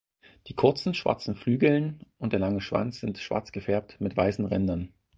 Die kurzen schwarzen Flügeln und der lange Schwanz sind schwarz gefärbt mit weißen Rändern.